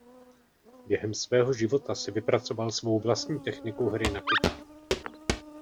Během svého života si vypracoval svou vlastní techniku hry na kytaru.